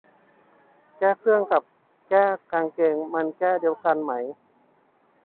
แก้เครื่องกับแก้กางเกงมันแก้เดียวกันไหม